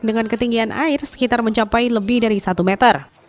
dengan ketinggian air sekitar mencapai lebih dari satu meter